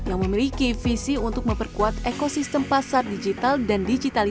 yang dalam ke explore terus biasanya dapat hadir dan di day rejected